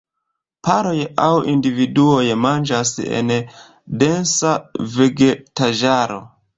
Paroj aŭ individuoj manĝas en densa vegetaĵaro.